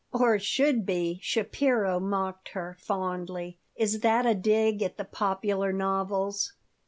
"'Or should be!'" Shapiro mocked her, fondly. "Is that a dig at the popular novels?"